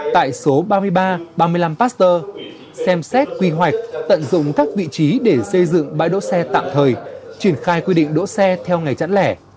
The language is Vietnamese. tại số ba mươi ba ba mươi năm pasteur xem xét quy hoạch tận dụng các vị trí để xây dựng bãi đỗ xe tạm thời triển khai quy định đỗ xe theo ngày chẵn lẻ